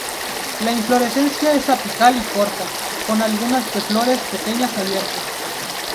La inflorescencia es apical y corta, con algunas de flores pequeñas abiertas.